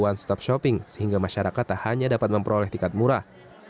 one stop shopping sehingga masyarakat tak hanya dapat memperoleh tiket murah